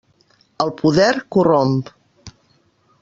El poder corromp.